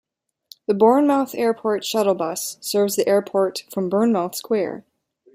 The Bournemouth Airport Shuttle Bus serves the airport from Bournemouth Square.